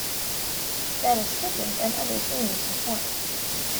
Statisticians and others still use this form.